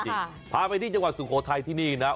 พาไปที่จังหวัดสุโขทัยที่นี่นะ